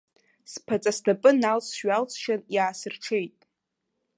Сԥаҵа снапы налсшь-ҩалсшьын, иаасырҽеит.